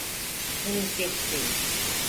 Henüz geç değil.